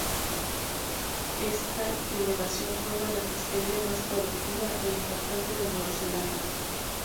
Esta elevación forma la pesquería más productiva e importante de Nueva Zelanda.